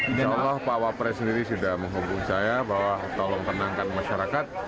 insya allah pak wapres sendiri sudah menghubungi saya bahwa tolong tenangkan masyarakat